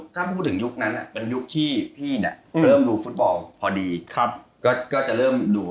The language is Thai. ถ้าพูดถึงยุคนั้นเป็นยุคที่พี่เนี่ยเริ่มดูฟุตบอลพอดีก็จะเริ่มดู